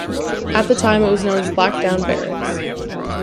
At that time, it was known as Blackdown Barracks.